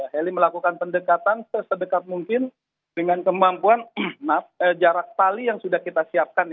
heli melakukan pendekatan sesedekat mungkin dengan kemampuan jarak tali yang sudah kita siapkan